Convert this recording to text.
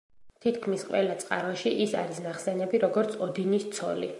თითქმის ყველა წყაროში ის არის ნახსენები როგორც ოდინის ცოლი.